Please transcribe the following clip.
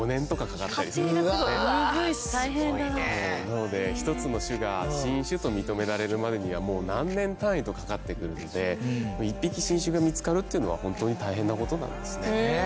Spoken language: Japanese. なので１つの種が新種と認められるまでには何年単位とかかってくるので１匹新種が見つかるっていうのはホントに大変なことなんですね。